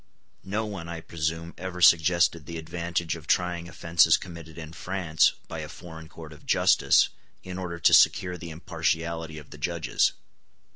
No one, I presume, ever suggested the advantage of trying offences committed in France by a foreign court of justice, in order to secure the impartiality of the judges.